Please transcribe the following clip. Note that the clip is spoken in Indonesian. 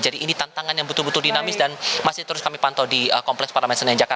jadi ini tantangan yang betul betul dinamis dan masih terus kami pantau di kompleks parlamen senejak